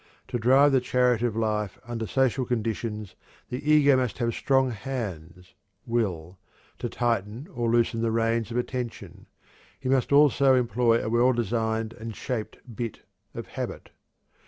To drive the chariot of life under social conditions, the ego must have strong hands (will) to tighten or loosen the reins of attention. He must also employ a well designed and shaped bit of habit.